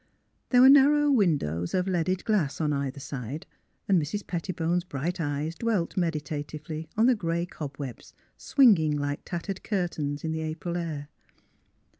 There were narrow ^vindows of leaded glass on either side, and Mrs. Pettibone's bright eyes dwelt meditatively on the grey cob webs, swinging like tattered curtains in the April air.